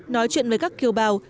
nói chuyện với các kiều bào